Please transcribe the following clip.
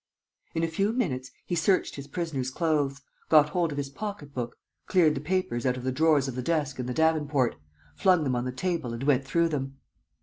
In a few minutes, he searched his prisoner's clothes, got hold of his pocket book, cleared the papers out of the drawers of the desk and the davenport, flung them on the table and went through them.